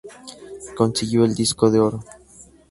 Consiguió el disco de oro.